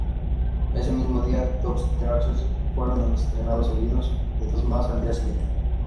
Ese mismo día, dos teaser fueron estrenados, seguidos de dos más al día siguiente.